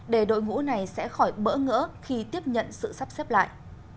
để đội ngũ này sẽ khỏi bỡ ngỡ khi tiếp nhận sự sắp xếp lại